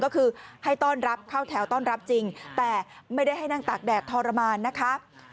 ก็คือให้ต้อนรับเข้าแถวต้อนรับจริงแต่ไม่ได้ให้นั่งตากแดดทรมานนะคะ